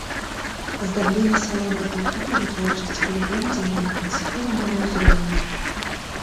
Аздабленне салона і культура вытворчасці былі выведзеныя на прынцыпова новы ўзровень.